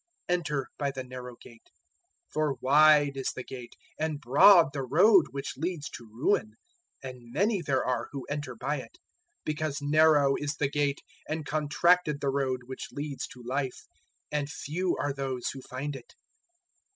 007:013 "Enter by the narrow gate; for wide is the gate and broad the road which leads to ruin, and many there are who enter by it; 007:014 because narrow is the gate and contracted the road which leads to Life, and few are those who find it.